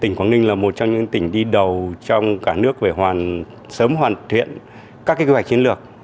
tỉnh quảng ninh là một trong những tỉnh đi đầu trong cả nước về sớm hoàn thiện các kế hoạch chiến lược